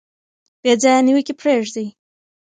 بې ځایه نیوکې پریږدئ.